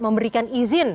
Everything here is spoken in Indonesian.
tidak memberikan izin